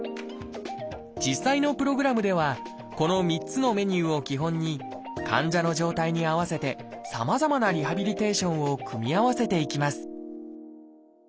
実際のプログラムではこの３つのメニューを基本に患者の状態に合わせてさまざまなリハビリテーションを組み合わせていきます